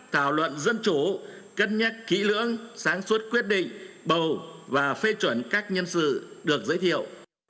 thảo luận dân chủ cân nhắc kỹ lưỡng sáng suốt quyết định bầu và phê chuẩn các nhân sự được giới thiệu